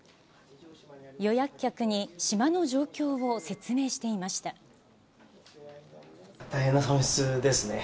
予約客に島の状況を説明して大変な損失ですね。